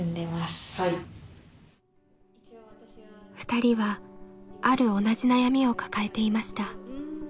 ２人はある同じ悩みを抱えていました。